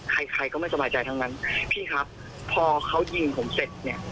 ใครใครก็ไม่สบายใจทั้งนั้นพี่ครับพอเขายิงผมเสร็จเนี่ย